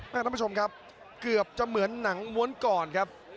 ท่านผู้ชมครับเกือบจะเหมือนหนังม้วนก่อนครับ